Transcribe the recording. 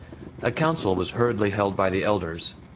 A council was hurriedly held by the elders.